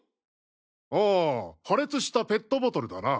ああ破裂したペットボトルだな。